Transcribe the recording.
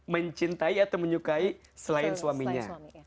mencintai atau menyukai selain suaminya